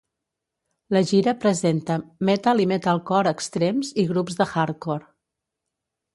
La gira presenta metal i metalcore extrems i grups de hardcore.